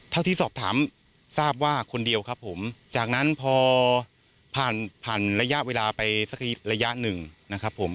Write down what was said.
ที่สอบถามทราบว่าคนเดียวครับผมจากนั้นพอผ่านผ่านระยะเวลาไปสักระยะหนึ่งนะครับผม